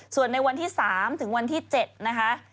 ส่วนในวันที่๓ถึงวันที่๗นะคะ